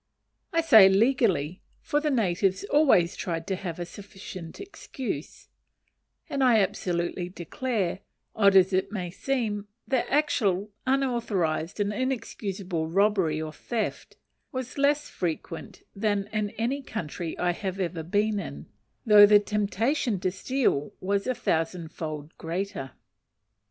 I say legally, for the natives always tried to have a sufficient excuse: and I absolutely declare, odd as it may seem, that actual, unauthorized, and inexcusable robbery or theft was less frequent than in any country I ever have been in, though the temptation to steal was a thousandfold greater.